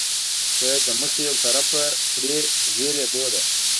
که یې له مخې یو طرفه کړي هېر یې بوله.